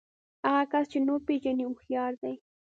هغه کس چې نور پېژني هوښيار دی.